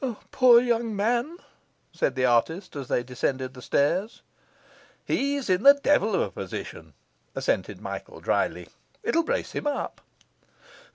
'Poor young man,' said the artist, as they descended the stairs. 'He is in a devil of a position,' assented Michael drily. 'It'll brace him up.